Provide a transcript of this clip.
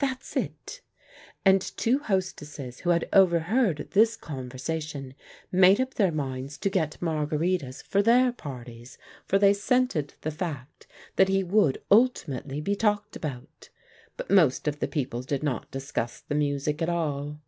"That's it." And two hostesses who had overheard this conversation made up their minds to get Margaritis for their parties, for they scented the fact that he would ultimately be talked about. But most of the people did not discuss the music at all.